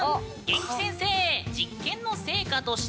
元気先生。